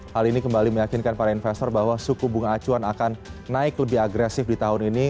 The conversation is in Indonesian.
hal ini kembali meyakinkan para investor bahwa suku bunga acuan akan naik lebih agresif di tahun ini